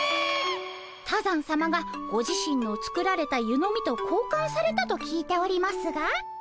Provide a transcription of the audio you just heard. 多山さまがご自身の作られた湯飲みとこうかんされたと聞いておりますが。